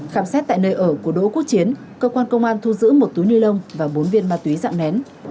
khám xét tại nơi ở của đỗ quốc chiến cơ quan công an thu giữ một túi ni lông và bốn viên ma túy dạng nén